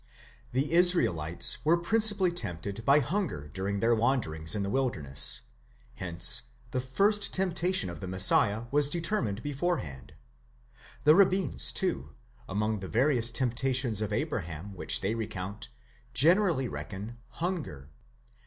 The Israelites were principally tempted by hunger during their wanderings in the wilderness ;9 hence the first temptation of the Messiah was determined beforehand. The rabbins, too, among the various temptations of Abraham which they recount, generally reckon hunger.!